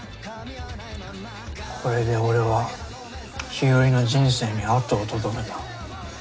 これで俺は日和の人生に跡をとどめた。